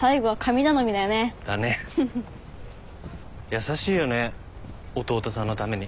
優しいよね弟さんのために。